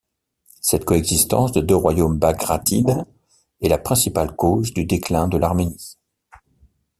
Cette coexistence de deux royaumes bagratides est la principale cause du déclin de l'Arménie.